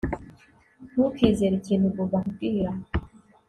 Ntukizere ikintu Bobo akubwira